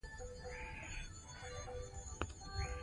هدف د انسان نیکمرغي ده.